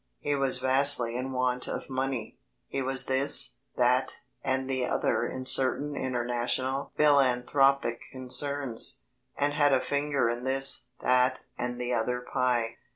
He was vastly in want of money, he was this, that, and the other in certain international philanthropic concerns, and had a finger in this, that, and the other pie.